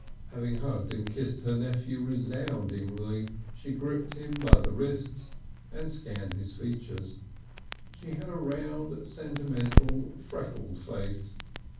Having hugged and kissed her nephew resoundingly she gripped him by the wrists and scanned his features. She had a round, sentimental, freckled face.